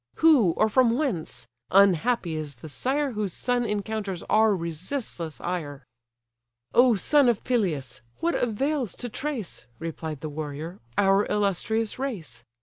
Who, or from whence? Unhappy is the sire Whose son encounters our resistless ire." "O son of Peleus! what avails to trace (Replied the warrior) our illustrious race?